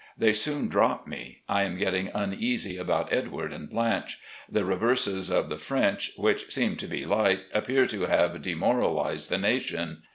They soon drop me. I am getting uneasy about Edward and Blanche. The reverses of the French, which seem to be light, appear to have demoralised the nation.